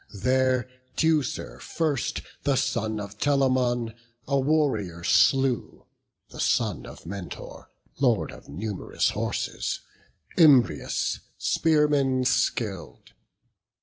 There Teucer first, the son of Telamon, A warrior slew, the son of Mentor, Lord Of num'rous horses, Imbrius, spearman skill'd.